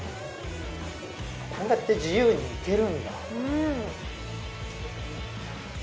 こうやって自由に行けるんだ。